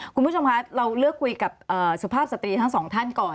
คุณผู้ชมคะเราเลือกคุยกับสุภาพสตรีทั้งสองท่านก่อน